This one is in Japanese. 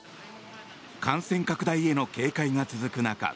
感染拡大への警戒が続く中